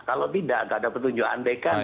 kalau tidak tidak ada petunjuk andekan